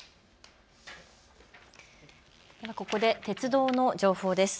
ここで鉄道の情報です。